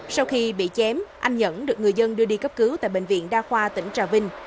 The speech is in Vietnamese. sau khi bị chém anh nhẫn được người dân đưa đi cấp cứu tại bệnh viện đa khoa tỉnh trà vinh